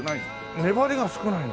粘りが少ないの？